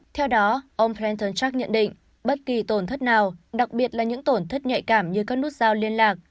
theo đó ông tunchak nhận định bất kỳ tổn thất nào đặc biệt là những tổn thất nhạy cảm như các nút dao liên lạc